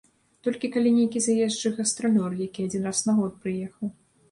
Толькі калі нейкі заезджы гастралёр, які адзін раз на год прыехаў.